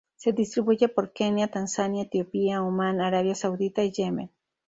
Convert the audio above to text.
Se distribuye por Kenia, Tanzania, Etiopía, Omán, Arabia Saudita y Yemen.